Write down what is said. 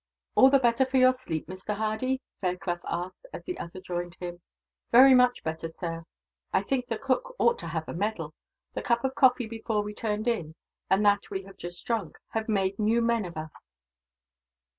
"All the better for your sleep, Mr. Hardy?" Fairclough asked, as the other joined him. "Very much better, sir. I think the cook ought to have a medal. The cup of coffee before we turned in, and that we have just drunk, have made new men of us."